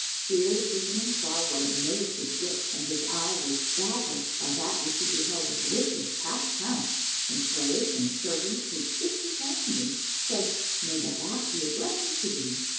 Here the Fisherman saw what amazed his wit, and his eye was dazzled by that which he beheld of riches past count and slaves and servants, who kissed his hand and said, "May the bath be a blessing to thee!"